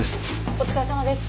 お疲れさまです。